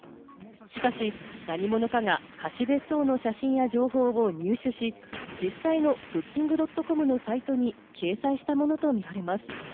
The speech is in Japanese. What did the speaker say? しかし何者かが貸別荘の写真や情報を入手し、実際のＢｏｏｋｉｎｇ．ｃｏｍのサイトに掲載したものと見られます。